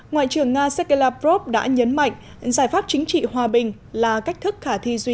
ngoại trưởng nga sergei lavrov đã nhấn mạnh giải pháp chính trị hòa bình là cách thức khả thi duy